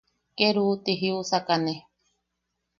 Ke ¡ruu! ti jiusakane.